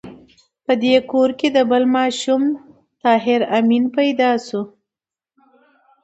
په دې کور کې بل ماشوم طاهر آمین پیدا شو